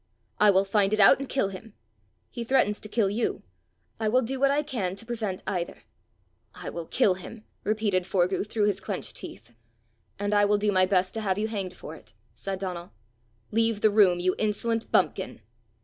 "I will find it out, and kill him." "He threatens to kill you. I will do what I can to prevent either." "I will kill him," repeated Forgue through his clenched teeth. "And I will do my best to have you hanged for it," said Donal. "Leave the room, you insolent bumpkin."